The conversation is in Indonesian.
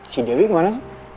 si dewi kemana